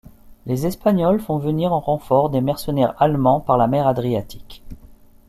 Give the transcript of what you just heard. Les Espagnols font venir en renfort des mercenaires allemands par la mer Adriatique.